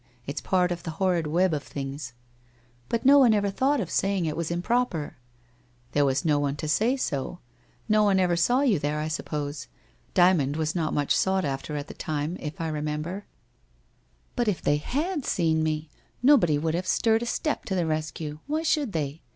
It's part cf the horrid web of things/ ' But, no one ever thought of saying it was improper/ ' There was no one to say so ! No one ever saw you there, I suppose? Dymond was not much sought after at the time, if I remember/ ' But if they had seen me, nobody would have stirred a step to the rescue. Why should they?